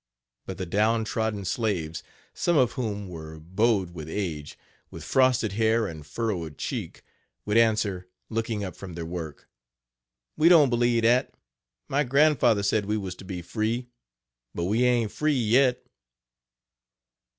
But the down trodden slaves, some of whom were bowed with age, with frosted hair and furrowed cheek, would answer, looking up from their work: "We don't blieve dat; my grandfather said we was to be free, but we aint free yet."